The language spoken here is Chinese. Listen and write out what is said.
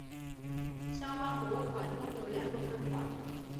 萧邦博物馆拥有两个分馆。